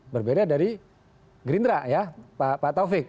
berbeda dari gerindra ya pak taufik